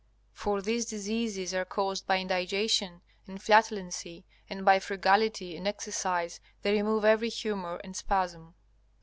For these diseases are caused by indigestion and flatulency, and by frugality and exercise they remove every humor and spasm.